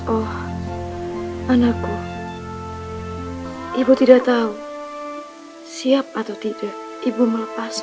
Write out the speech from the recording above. oh anakku ibu tidak tahu siap atau tidak ibu melepas